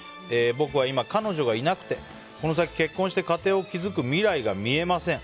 僕は今、彼女がいなくてこの先、結婚して家庭を築く未来が見えません。